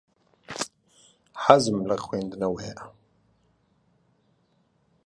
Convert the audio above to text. حەزم لە خوێندنەوەیە.